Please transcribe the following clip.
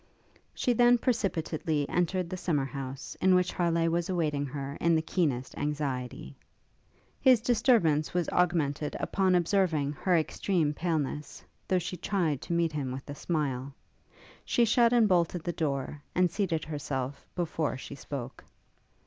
She then precipitately entered the summer house, in which Harleigh was awaiting her in the keenest anxiety. His disturbance was augmented upon observing her extreme paleness, though she tried to meet him with a smile. She shut and bolted the door, and seated herself before she spoke.